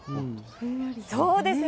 そうですね。